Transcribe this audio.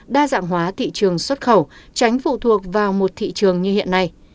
đa dạng hóa thị trường xuất khẩu tránh phụ thuộc vào một thị trường như hiện nay